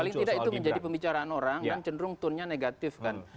paling tidak itu menjadi pembicaraan orang dan cenderung tone nya negatif kan